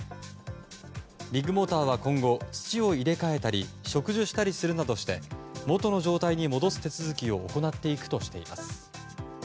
ビッグモーターは今後土を入れ替えたり植樹したりするなどして元の状態に戻す手続きを行っていくとしています。